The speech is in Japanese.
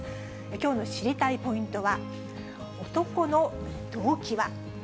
きょうの知りたいポイントは、男の動機は？